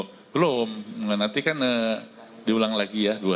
oh belum nanti kan diulang lagi ya dua hari ya